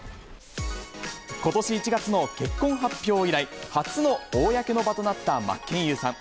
ことし１月の結婚発表以来、初の公の場となった真剣佑さん。